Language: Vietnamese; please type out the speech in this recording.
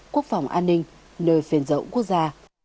quốc phòng an ninh nơi phiền dẫu quốc gia